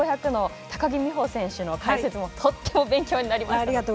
１５００の高木美帆選手の解説もとても勉強になりました。